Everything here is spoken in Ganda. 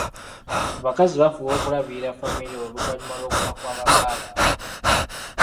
Abakazi bafuba okulabirira famire oluvanyuma lw'okufa kwa ba bba baabwe.